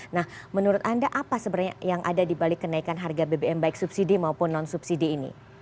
nah menurut anda apa sebenarnya yang ada di balik kenaikan harga bbm baik subsidi maupun non subsidi ini